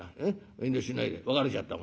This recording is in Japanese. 遠慮しないで別れちゃった方がいい。